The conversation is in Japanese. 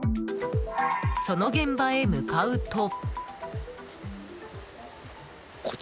その現場へ向かうと。